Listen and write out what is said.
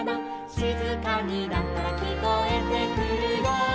「しずかになったらきこえてくるよ」